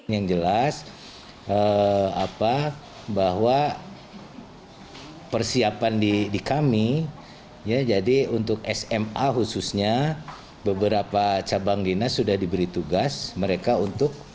yang jelas bahwa persiapan di kami ya jadi untuk sma khususnya beberapa cabang dinas sudah diberi tugas mereka untuk